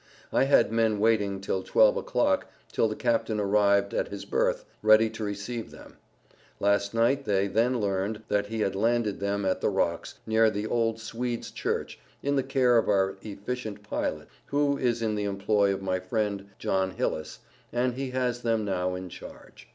I had men waiting till 12 o'clock till the Captain arrived at his berth, ready to receive them; last night they then learned, that he had landed them at the Rocks, near the old Swedes church, in the care of our efficient Pilot, who is in the employ of my friend, John Hillis, and he has them now in charge.